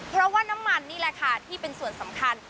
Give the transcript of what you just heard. เพราะว่าน้ำมันนี่แหละค่ะที่เป็นส่วนสำคัญ